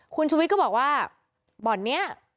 คุณชุวิทย์ก็บอกว่าบอร์ดเนี่ย